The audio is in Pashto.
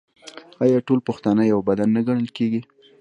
آیا ټول پښتانه یو بدن نه ګڼل کیږي؟